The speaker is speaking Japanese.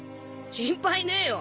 心配ねえよ。